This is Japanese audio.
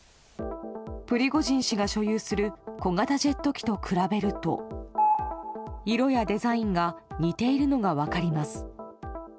プリゴジン氏が所有する小型ジェット機と比べると色やデザインが似ているのが分かります。